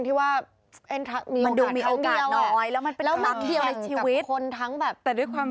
ทำงานทำงานตั้งแต่อายุ๑๒ทำงานแต่เด็ก